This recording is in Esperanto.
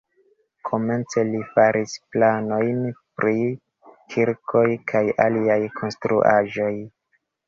Komence li faris planojn pri kirkoj kaj aliaj konstruaĵoj.